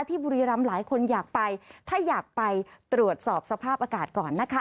บุรีรำหลายคนอยากไปถ้าอยากไปตรวจสอบสภาพอากาศก่อนนะคะ